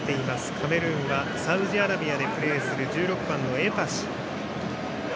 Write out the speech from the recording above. カメルーンはサウジアラビアでプレーする１６番のエパシ。